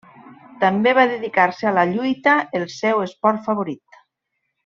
També va dedicar-se a la lluita, el seu esport favorit.